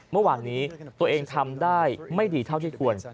เมื่อวานนี้ตัวเองทำได้ไม่ดีเท่าที่ควร